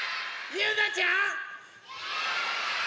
ゆうなちゃん！